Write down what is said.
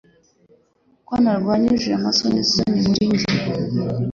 UKO NARWANYIJE AMASONISONI muri njye